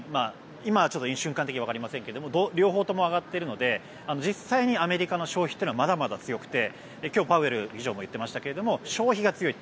今は瞬間的にはわかりませんが両方とも上がっているので実際にアメリカの消費というのはまだまだ強くて今日、パウエル議長も言っていましたが消費が強い。